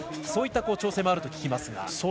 そういった調整もあると聞きます。